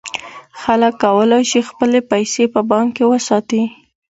خلک کولای شي خپلې پیسې په بانک کې وساتي.